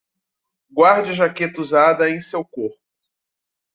Guarde a jaqueta usada em seu corpo